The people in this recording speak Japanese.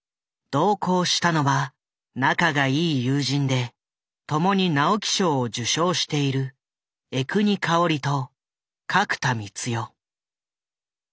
同行したのは仲がいい友人でともに直木賞を受賞している江國香織と角田光代。